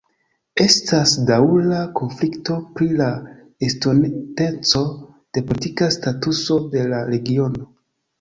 Estas daŭra konflikto pri la estonteco de politika statuso de la regiono.